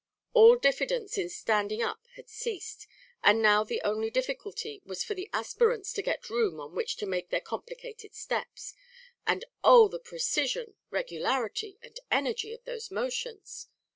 All diffidence in standing up had ceased and now the only difficulty was for the aspirants to get room on which to make their complicated steps; and oh, the precision, regularity, and energy of those motions!